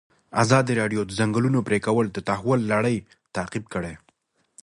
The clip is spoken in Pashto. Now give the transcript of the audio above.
ازادي راډیو د د ځنګلونو پرېکول د تحول لړۍ تعقیب کړې.